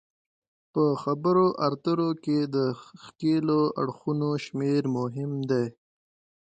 په خبرو اترو کې د ښکیلو اړخونو شمیر مهم دی